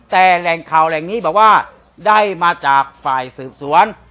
แต่แหล่งข่าวแหล่งนี้บอกว่าได้มาจากฝ่ายสืบสวน